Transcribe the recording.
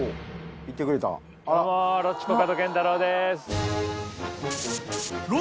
どうもロッチコカドケンタロウです。